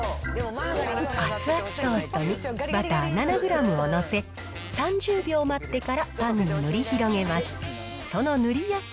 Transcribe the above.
熱々トーストにバター７グラムを載せ、３０秒待ってからパンに塗り広げます。